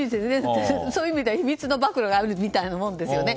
そういう意味では秘密の暴露があるみたいなものですね。